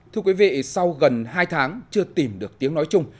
thưa quý vị sau gần hai tháng chưa tìm được tiếng nói chung